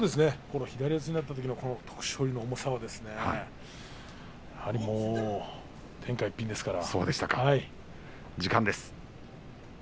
左四つになったときの徳勝龍の重さはやはり天下一品ですから。